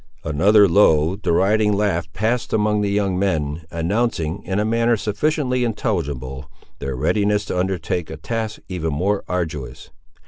Another low, deriding laugh passed among the young men, announcing, in a manner sufficiently intelligible, their readiness to undertake a task even more arduous.